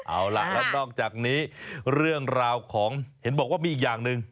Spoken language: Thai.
เอาล่ะแล้วนอกจากนี้เรื่องราวของเห็นบอกว่ามีอีกอย่างหนึ่ง